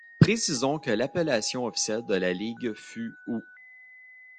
Précisons que l'appellation officielle de la ligue fut ' ou '.